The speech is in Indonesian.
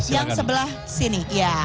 yang sebelah sini